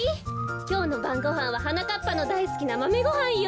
きょうのばんごはんははなかっぱのだいすきなマメごはんよ。